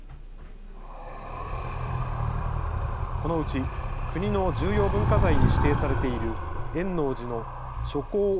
このうち国の重要文化財に指定されている円応寺の初江王